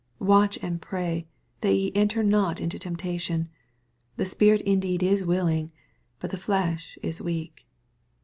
41 Watch and pray, that ye enter not into temptation : the spirit indeed is willing, hut the flesh it weak.